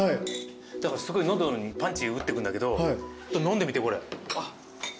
だからすごい喉にパンチ打ってくんだけど飲んでみてこれ。